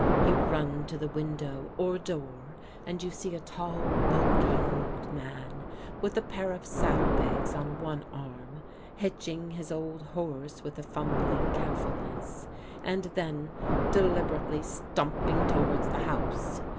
You run to the window or door, and you see a tall, bulky old man, with a pair of saddle bags on one arm, hitching his old horse with a fumbling carefulness, and then deliberately stumping towards the house.